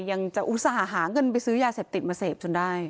ยังจะอุตส่าห์หาเงินไปซื้อยาเสพติดมาเสพจนได้